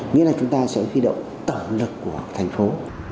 nghĩa là chúng ta sẽ khuy động tổn lực của thành phố